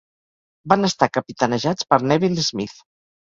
Van estar capitanejats per Neville Smith.